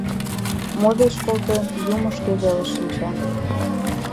Мо верч колтен, юмо шке веле шинча...